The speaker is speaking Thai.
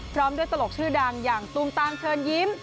พร้อมด้วยตลกชื่อดังอย่างตูมตามเชิญยิ้ม